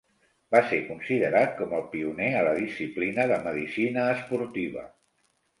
Va ser considerat com el pioner a la disciplina de medicina esportiva.